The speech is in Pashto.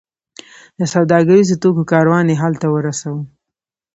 د سوداګریزو توکو کاروان یې هلته ورساوو.